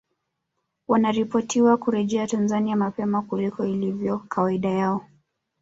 Wanaripotiwa kurejea Tanzania mapema kuliko ilivyo kawaida yao